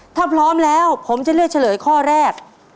ถ้าพร้อมแล้วผมจะเลือกเฉลยข้อแรก